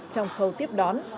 trong khâu tiếp đón